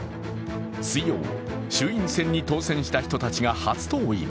水曜、衆院選に当選した人たちが初登院。